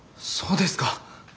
そうですか。